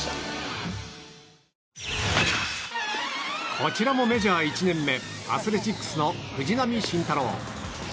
こちらもメジャー１年目アスレチックスの藤浪晋太郎。